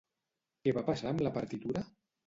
Què va passar amb la partitura?